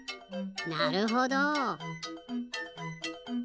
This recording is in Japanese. なるほど。